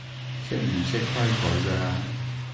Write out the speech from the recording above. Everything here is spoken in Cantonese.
識唔識規矩㗎